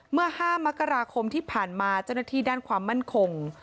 เมื่อ๕มกราคมที่ผ่านมาเจ้าหน้าที่ด้านความมั่นคง